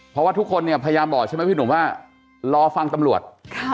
เพราะว่าทุกคนเนี่ยพยายามบอกใช่ไหมพี่หนุ่มว่ารอฟังตำรวจ